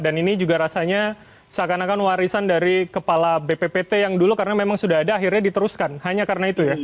dan ini juga rasanya seakan akan warisan dari kepala bppt yang dulu karena memang sudah ada akhirnya diteruskan hanya karena itu ya